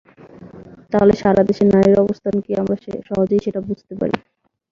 তাহলে সারা দেশে নারীর অবস্থান কী, আমরা সহজেই সেটা বুঝতে পারি।